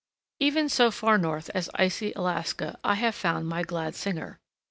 ] Even so far north as icy Alaska, I have found my glad singer.